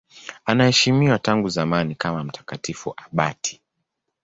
Anaheshimiwa tangu zamani kama mtakatifu abati.